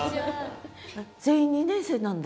全員２年生なんだ。